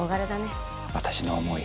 私の思い